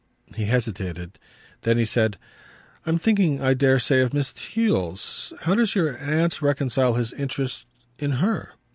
He hesitated; then he said: "I'm thinking, I dare say, of Miss Theale's. How does your aunt reconcile his interest in her